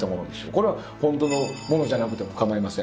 これはホントの物じゃなくても構いません。